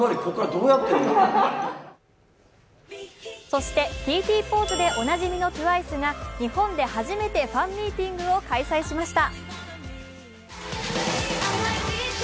そして、ＴＴポーズでおなじみのＴＷＩＣＥが日本で初めてファンミーティングを開催しました。